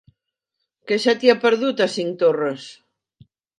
Què se t'hi ha perdut, a Cinctorres?